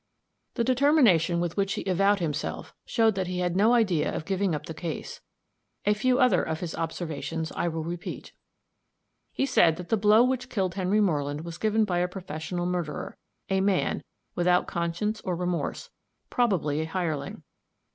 The determination with which he avowed himself, showed that he had no idea of giving up the case. A few other of his observations I will repeat: He said that the blow which killed Henry Moreland was given by a professional murderer, a man, without conscience or remorse, probably a hireling.